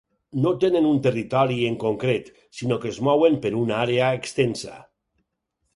No tenen un territori en concret, sinó que es mouen per una àrea extensa.